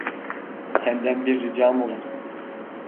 Senden bir ricam olacak.